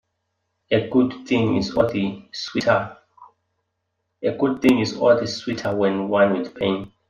A good thing is all the sweeter when won with pain.